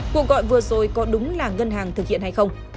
cuộc gọi vừa rồi có đúng là ngân hàng thực hiện hay không